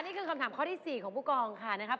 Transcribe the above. นี่คือคำถามข้อที่๔ของผู้กองค่ะนะครับ